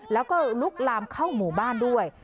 แล้วก็ลุกลามเข้าหมู่บ้านด้วย